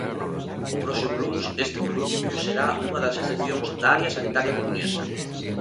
O próximo luns este municipio será unha das excepcións da área sanitaria coruñesa.